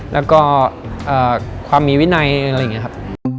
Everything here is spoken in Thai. แล้วก็ความมีวินัยอะไรอย่างนี้ครับ